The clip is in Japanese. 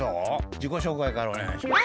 じこしょうかいからおねがいします。